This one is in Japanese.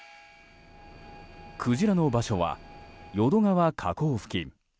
クジラの場所は淀川河口付近。